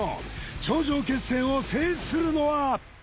頂上決戦を制するのは！？